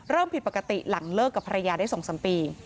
ผิดปกติหลังเลิกกับภรรยาได้๒๓ปี